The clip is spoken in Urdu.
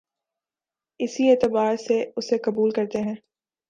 اسی اعتبار سے اسے قبول کرتے ہیں